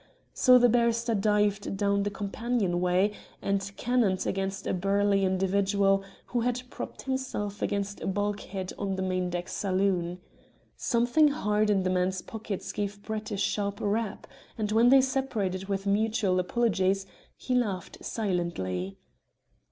So the barrister dived down the companion way and cannoned against a burly individual who had propped himself against a bulkhead on the main deck saloon. Something hard in the man's pockets gave Brett a sharp rap, and when they separated with mutual apologies, he laughed silently.